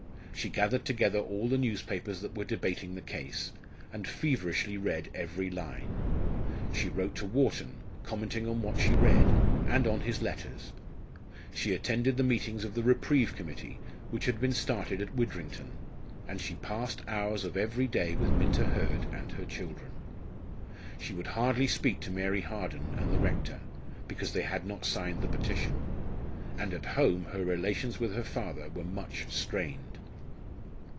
She gathered together all the newspapers that were debating the case, and feverishly read every line; she wrote to Wharton, commenting on what she read, and on his letters; she attended the meetings of the Reprieve Committee which had been started at Widrington; and she passed hours of every day with Minta Hurd and her children. She would hardly speak to Mary Harden and the rector, because they had not signed the petition, and at home her relations with her father were much strained.